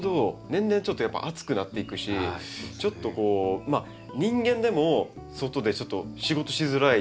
年々ちょっとやっぱ暑くなっていくしちょっとこうまあ人間でも外でちょっと仕事しづらい。